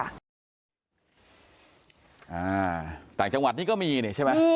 อ่าต่างจังหวัดนี่ก็มีนี่ใช่ไหม